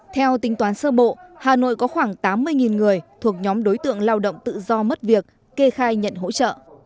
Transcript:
theo tính toán sơ bộ hà nội có khoảng tám mươi người thuộc nhóm đối tượng lao động tự do mất việc kê khai nhận hỗ trợ